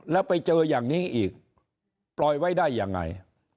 แล้วไปเจออย่างนี้อีกปล่อยไว้ได้ยังไง